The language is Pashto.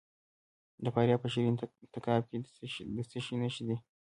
د فاریاب په شیرین تګاب کې د څه شي نښې دي؟